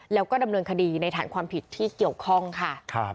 แล้วก็ดำเนินคดีในฐานความผิดที่เกี่ยวข้องค่ะ